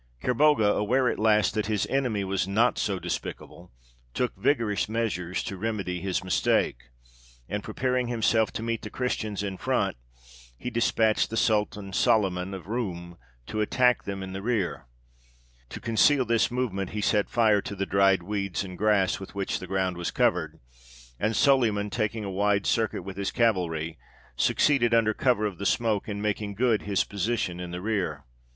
Kerbogha, aware at last that his enemy was not so despicable, took vigorous measures to remedy his mistake, and, preparing himself to meet the Christians in front, he despatched the Sultan Soliman of Roum to attack them in the rear. To conceal this movement, he set fire to the dried weeds and grass with which the ground was covered, and Soliman, taking a wide circuit with his cavalry, succeeded, under cover of the smoke, in making good his position in the rear.